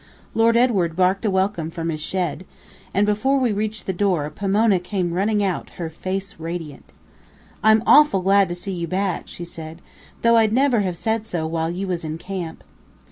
Lord Edward barked a welcome from his shed, and before we reached the door, Pomona came running out, her face radiant. "I'm awful glad to see you back," she said; "though I'd never have said so while you was in camp."